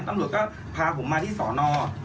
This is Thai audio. ตำรวจก็พาผมมาที่สอนอ